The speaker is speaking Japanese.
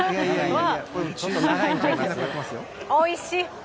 おいしい。